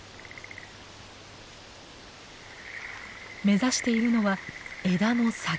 目指しているのは枝の先。